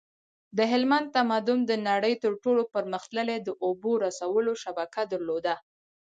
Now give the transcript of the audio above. د هلمند تمدن د نړۍ تر ټولو پرمختللی د اوبو رسولو شبکه درلوده